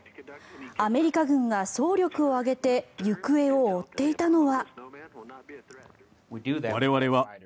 アメリカ軍が総力を挙げて行方を追っていたのは。